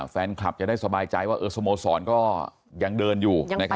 แฟนคลับจะได้สบายใจว่าสโมสรก็ยังเดินอยู่